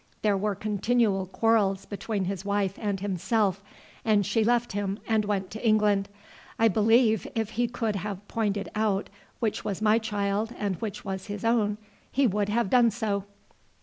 There were continual quarrels between his wife and himself, and she left him and went to England. I believe if he could have pointed out which was my child and which was his own, he would have done so.